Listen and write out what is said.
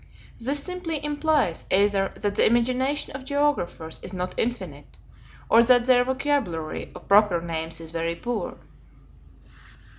This simply implies either that the imagination of geographers is not infinite, or that their vocabulary of proper names is very poor."